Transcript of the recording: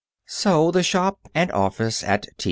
So the shop and office at T.